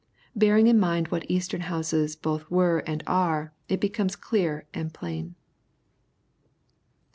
Bearing in mind what Eastern houses both were and are, it becomes clear and plain.